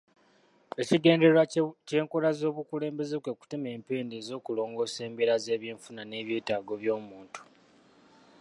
Ekigendererwa ky'enkola z'obukulembeze kwe kutema empenda ez'okulongoosa embeera z'ebyenfuna n'ebyetaago by'omuntu.